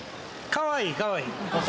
かわいいかわいい。